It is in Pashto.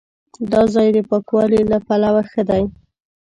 دا ځای د پاکوالي له پلوه ښه دی.